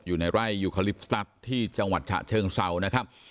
อยู่ในไร่ยูคาลิปสตัสที่จังหวัดฉะเชิงเซานะครับ